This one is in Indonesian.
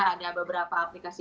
ada beberapa aplikasi aplikasi